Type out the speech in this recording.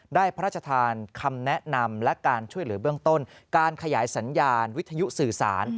พระราชทานคำแนะนำและการช่วยเหลือเบื้องต้นการขยายสัญญาณวิทยุสื่อสาร